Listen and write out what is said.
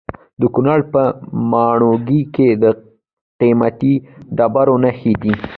د کونړ په ماڼوګي کې د قیمتي ډبرو نښې دي.